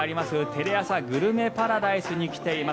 テレアサグルメパラダイスに来ています。